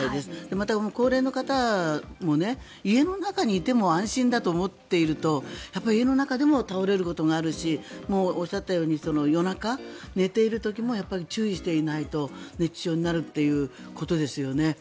また、高齢の方も家の中にいても安心だと思っているとやっぱり家の中でも倒れることがあるしおっしゃったように夜中、寝ている時も注意していないと熱中症になるということですよね